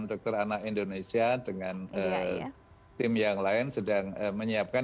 dokter anak indonesia dengan tim yang lain sedang menyiapkan